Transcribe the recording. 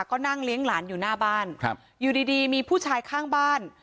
ก็นั่งเลี้ยงหลานอยู่หน้าบ้านครับอยู่ดีดีมีผู้ชายข้างบ้าน